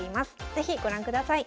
是非ご覧ください。